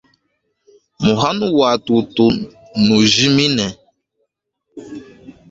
Muhanu wa tutu mnujimine.